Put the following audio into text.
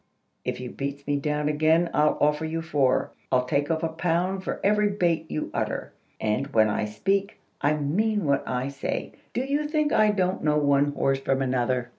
If you beat me down again, I'll offer you four. I'll take off a pound for every bate you utter; and, when I speak, I mean what I say. Do you think I don't know one horse from another?"